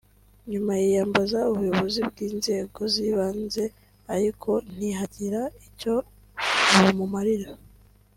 nyuma yiyambaza ubuyobozi bw’inzego zibanze ariko ntihagira icyo bumumarira